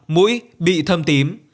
mũi bị thâm tím